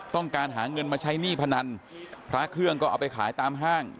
ต้องการหาเงินมาใช้หนี้พนันพระเครื่องก็เอาไปขายตามห้าง